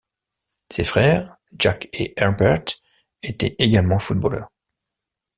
Ses frères, Jack et Herbert, étaient également footballeurs.